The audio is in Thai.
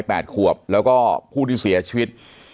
แปดขวบแล้วก็ผู้ที่เสียชีวิต